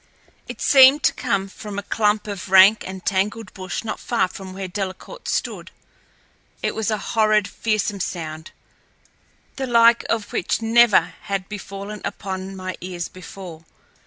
It seemed to come from a clump of rank and tangled bush not far from where Delcarte stood. It was a horrid, fearsome sound, the like of which never had fallen upon my ears before.